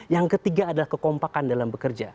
yang ketiga adalah kekompakan dalam bekerja